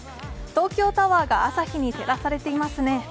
東京タワーが朝日に照らされていますね。